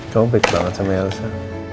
kau baik banget sama elsa